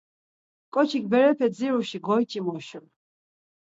Ǩoçik berepe ziruşi goyç̌imoşu.